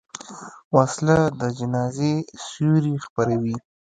وسله د جنازې سیوري خپروي